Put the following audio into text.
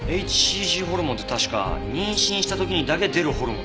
ｈＣＧホルモンって確か妊娠した時にだけ出るホルモンですよね？